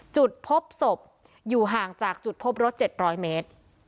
จุดพบศพอยู่ห่างจากจุดพบรถ๗๐๐เมตร